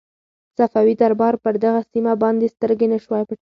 صفوي دربار پر دغه سیمه باندې سترګې نه شوای پټولای.